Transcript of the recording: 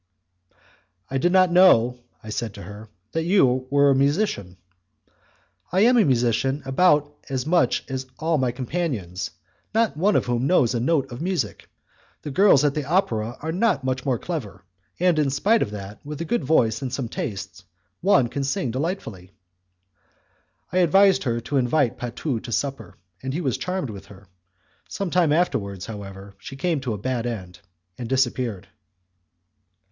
"I did not know," I said to her, "that you were a musician." "I am a musician about as much as all my companions, not one of whom knows a note of music. The girls at the opera are not much more clever, and in spite of that, with a good voice and some taste, one can sing delightfully." I advised her to invite Patu to supper, and he was charmed with her. Some time afterwards, however, she came to a bad end, and disappeared.